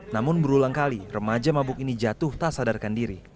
namun berulang kali remaja mabuk ini jatuh tak sadarkan diri